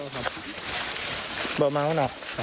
ไม่ม้ามาต้องนะ